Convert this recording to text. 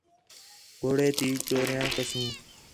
گھوڑے تی چوریاں کسوں